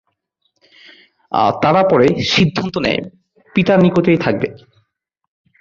তারা পরে সিদ্ধান্ত নেয় পিতার নিকটেই থাকবে।